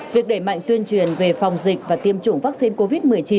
việc đẩy mạnh tuyên truyền về phòng dịch và tiêm chủng vaccine covid một mươi chín